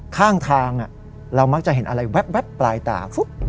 ข้างทางเรามักจะเห็นอะไรแว๊บปลายตา